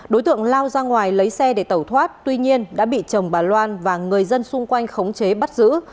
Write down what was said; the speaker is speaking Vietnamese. đối tượng lao ra ngoài lấy xe để tẩu thoát tuy nhiên đã bị chồng bà loan và người dân xung quanh khống chế bắt giữ